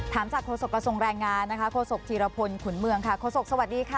ถามจากโฆษกระทรวงแรงงานนะคะโฆษกธีรพลขุนเมืองค่ะโฆษกสวัสดีค่ะ